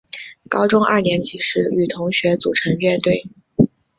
高中二年级时与同学组成乐队。